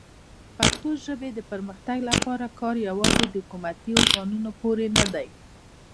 د پښتو ژبې پرمختګ لپاره کار یوازې د حکومتي ارګانونو پورې نه دی.